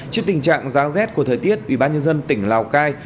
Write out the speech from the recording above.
trước tình trạng giá rét của thời tiết ubnd tỉnh lào cai